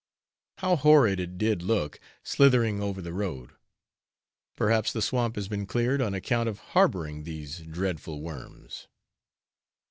How horrid it did look, slithering over the road! Perhaps the swamp has been cleared on account of its harbouring these dreadful worms.